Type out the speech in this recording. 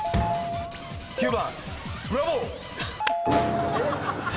９番ブラボー！